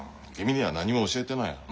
君には何も教えてない。